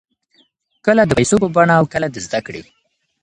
کله د پیسو په بڼه او کله د زده کړې.